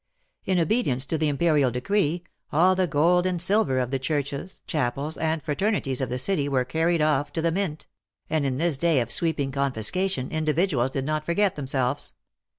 In obedience to the imperial decree, all the gold and silver of the churches, chapels, and frater nities of the city were carried off to the mint; and, in this day of sweeping confiscation, individuals did not forget themselves.